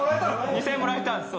２，０００円もらえたんす。